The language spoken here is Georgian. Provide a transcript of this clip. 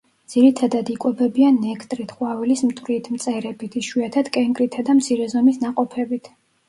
ძირითადად იკვებებიან ნექტრით, ყვავილის მტვრით, მწერებით, იშვიათად კენკრითა და მცირე ზომის ნაყოფებით.